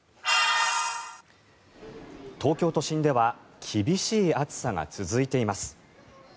東京都心では厳しい暑さが続いています。